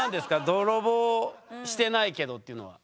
「泥棒してないけど」っていうのは。